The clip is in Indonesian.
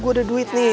gue ada duit nih